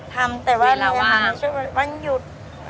ทำแต่วันหยุด